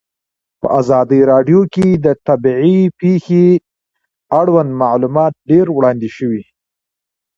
په ازادي راډیو کې د طبیعي پېښې اړوند معلومات ډېر وړاندې شوي.